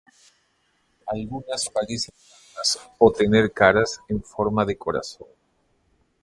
Algunas parecen usar gafas, o tener caras "en forma de corazón".